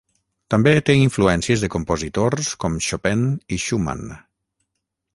També té influències de compositors com Chopin i Schumann.